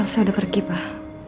elsa udah pergi pak